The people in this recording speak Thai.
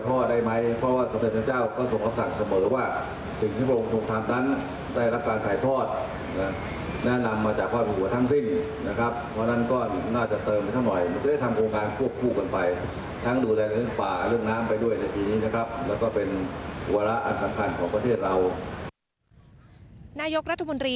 ทำโครงการหัวผมก่อนไป